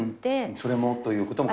それもということも考えて。